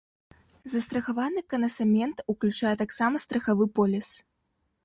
Застрахаваны канасамент уключае таксама страхавы поліс.